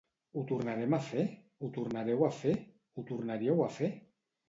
Ho tornarem a fer? Ho tornareu a fer? Ho tornaríeu a fer?